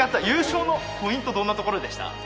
優勝のポイント、どんなところでした？